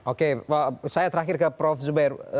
oke saya terakhir ke prof zubair